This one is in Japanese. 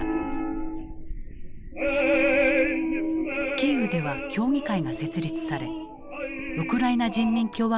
キーウでは評議会が設立されウクライナ人民共和国を建国。